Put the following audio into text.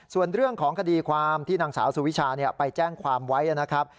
ส่วนเรื่องของคดีความที่นางสาวสุวิชาไปแจ้งความไว้นะครับ